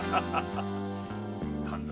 神崎。